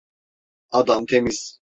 Adam temiz.